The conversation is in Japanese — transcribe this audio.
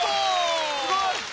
すごい。